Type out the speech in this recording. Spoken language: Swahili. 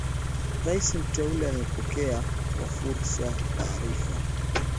Rais Mteule amepokea kwa furaha taarifa